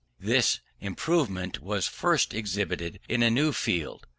This improvement was first exhibited in a new field.